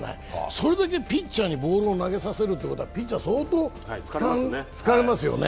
それだけピッチャーにボールを投げさせるってことは、ピッチャー、相当疲れますよね。